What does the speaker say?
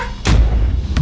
tangan lo kenapa